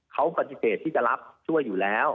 เขาปฏิเสธที่จะรับช่วยอยู่แล้ว